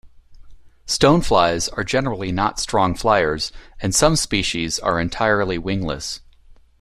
Stoneflies are generally not strong fliers, and some species are entirely wingless.